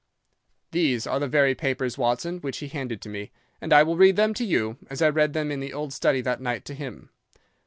"These are the very papers, Watson, which he handed to me, and I will read them to you, as I read them in the old study that night to him.